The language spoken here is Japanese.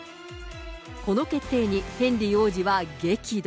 この決定に、ヘンリー王子は激怒。